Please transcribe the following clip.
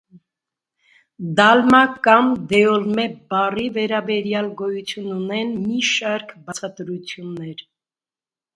«Դալմա» կամ «դեոլմե» բառի վերաբերյալ գոյություն ունեն մի շարք բացատրություններ։